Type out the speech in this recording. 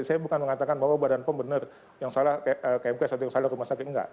saya tidak mau mengatakan bahwa badan pem benar yang salah kmk atau yang salah rumah sakit tidak